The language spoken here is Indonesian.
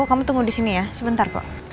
kamu tunggu disini ya sebentar pak